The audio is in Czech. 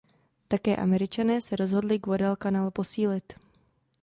Také Američané se rozhodli Guadalcanal posílit.